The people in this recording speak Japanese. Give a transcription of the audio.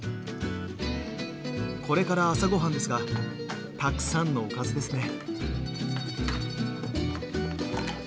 これから朝ごはんですがたくさんのおかずですね。